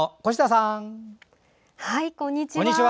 こんにちは。